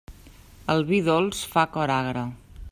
El vi dolç fa coragre.